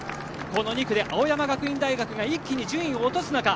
この２区で青山学院大学が一気に順位を落とすのか。